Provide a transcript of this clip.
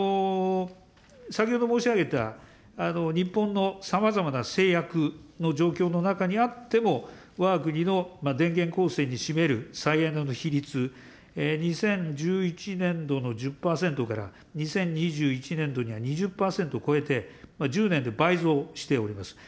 先ほど申し上げた日本のさまざまな制約の状況の中にあっても、わが国の電源構成に占める再エネの比率、２０１１年度の１０％から、２０２１年度には２０％を超えて、１０年で倍増しております。